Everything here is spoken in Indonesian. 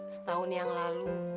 setahun yang lalu